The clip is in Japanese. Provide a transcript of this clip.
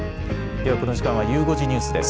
ではこの時間はゆう５時ニュースです。